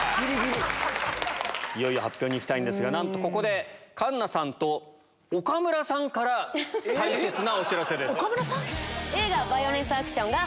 いよいよ発表に行きたいんですがなんとここで環奈さんと岡村さんから大切なお知らせです。